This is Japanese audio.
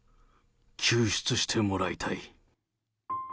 救出してもらいたい。